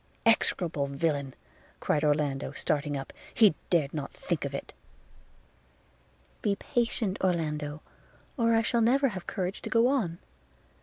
'Execrable villain!' cried Orlando, starting up – 'he dared not think of it.' 'Be patient, Orlando, or I shall never have courage to go on.